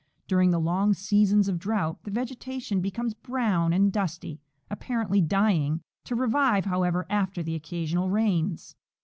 During the long seasons of drought the vegetation becomes brown and dusty, apparently dying, to revive, however, after the occasional rains.